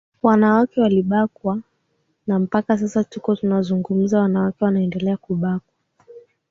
wanawake walibakwa na mpaka sasa tuko tunazungumza wanawake wanaendelea kubakwa